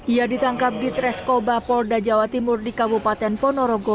ia ditangkap di treskoba polda jawa timur di kabupaten ponorogo